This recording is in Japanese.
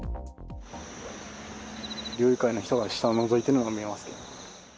猟友会の人が、下をのぞいているのが見えます。